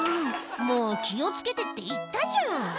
「もう気を付けてって言ったじゃん」